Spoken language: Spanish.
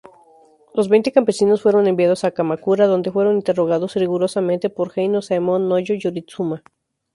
Los veinte campesinos fueron enviados a Kamakura, donde fueron interrogados rigurosamente por Heino-Saemon-Nojo-Yoritsuma.